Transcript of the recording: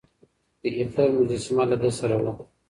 د هېټلر مجسمه له ده سره وه.